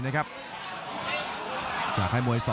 คมทุกลูกจริงครับโอ้โห